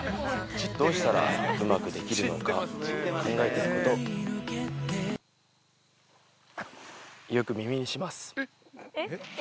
「どうしたらうまくできるのか考えていること」「よく耳にします」